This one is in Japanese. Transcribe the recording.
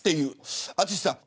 淳さん